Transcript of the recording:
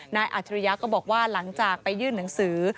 อาจริยะก็บอกว่าหลังจากไปยื่นหนังสือ